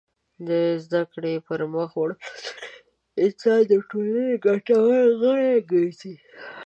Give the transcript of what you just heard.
د زدهکړې پرمخ وړلو سره انسان د ټولنې ګټور غړی ګرځي.